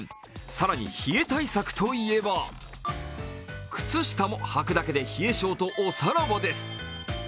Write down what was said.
更に、冷え対策といえば靴下も履くだけで冷え性とおさらばです。